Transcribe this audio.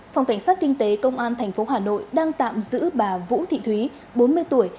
phòng cảnh sát kinh tế công an tp hcm đang tạm giữ bà vũ thị thúy bốn mươi tuổi